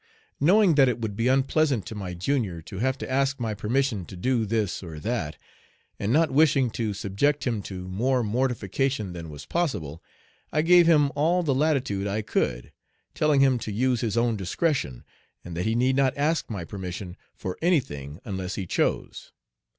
Knowing that it would be unpleasant to my junior to have to ask my permission to do this or that, and not wishing to subject him to more mortification than was possible, I gave him all the latitude I could, telling him to use his own discretion, and that he need not ask my permission for any thing unless he chose.